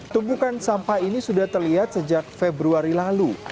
tumpukan sampah ini sudah terlihat sejak februari lalu